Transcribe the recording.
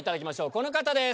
この方です。